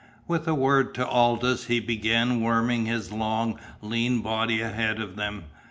With a word to Aldous he began worming his long, lean body ahead of them.